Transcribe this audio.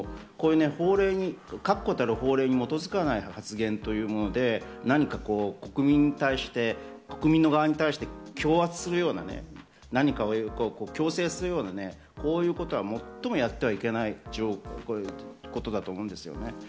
確固たる法令に基づかない発言ということで何か国民に対して強圧するような、強制するような、最もやってはいけないことだと思うんですよね。